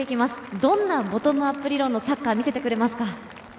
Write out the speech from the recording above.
どんなボトムアップ理論のサッカーを見せてくれますか？